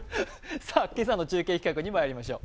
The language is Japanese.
今朝の中継企画にまいりましょう。